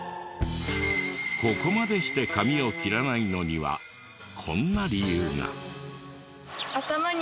ここまでして髪を切らないのにはこんな理由が。